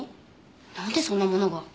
なんでそんなものが。